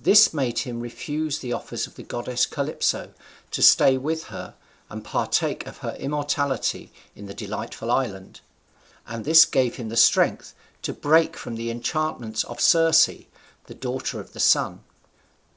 This made him refuse the offers of the goddess Calypso to stay with her, and partake of her immortality in the delightful island; and this gave him strength to break from the enchantments of Circe, the daughter of the Sun.